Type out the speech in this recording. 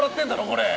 これ！